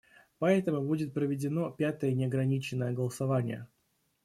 Поэтому будет проведено пятое неограниченное голосование.